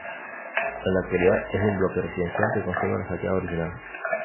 En la actualidad es un bloque residencial que conserva la fachada original.